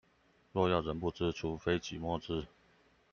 若要人不知，除非擠墨汁